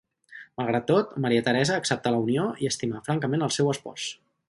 Malgrat tot, Maria Teresa acceptà la unió i estimà francament al seu espòs.